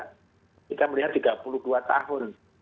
kita melihat tiga puluh dua tahun